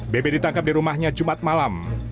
bebe ditangkap di rumahnya jumat malam